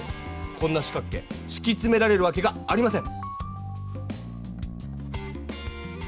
こんな四角形しきつめられるわけがありません。